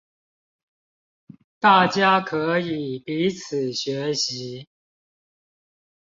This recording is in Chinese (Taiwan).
大家可以彼此學習